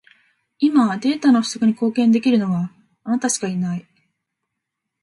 今、データの不足に貢献できるのは、あなたしかいない。